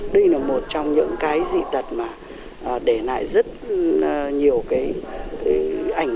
đây là một trong những cái dị tật mà để lại rất nhiều cái ảnh